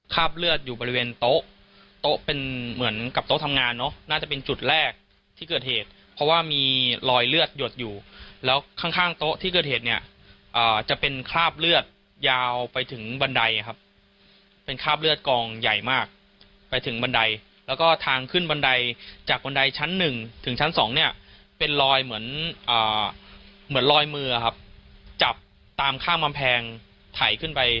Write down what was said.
บเลือดอยู่บริเวณโต๊ะโต๊ะเป็นเหมือนกับโต๊ะทำงานเนอะน่าจะเป็นจุดแรกที่เกิดเหตุเพราะว่ามีรอยเลือดหยดอยู่แล้วข้างข้างโต๊ะที่เกิดเหตุเนี่ยจะเป็นคราบเลือดยาวไปถึงบันไดครับเป็นคราบเลือดกองใหญ่มากไปถึงบันไดแล้วก็ทางขึ้นบันไดจากบันไดชั้นหนึ่งถึงชั้นสองเนี่ยเป็นรอยเหมือนเหมือนลอยมือครับจับตามข้ามกำแพงไถขึ้นไป